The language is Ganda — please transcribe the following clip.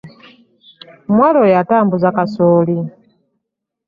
Omuwala oyo atambuza kasooli.